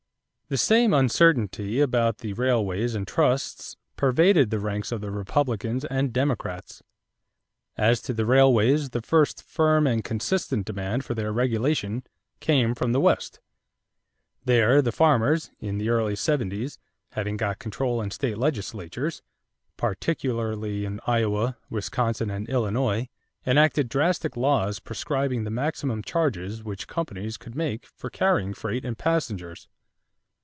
= The same uncertainty about the railways and trusts pervaded the ranks of the Republicans and Democrats. As to the railways, the first firm and consistent demand for their regulation came from the West. There the farmers, in the early seventies, having got control in state legislatures, particularly in Iowa, Wisconsin, and Illinois, enacted drastic laws prescribing the maximum charges which companies could make for carrying freight and passengers.